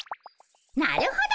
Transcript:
なるほど。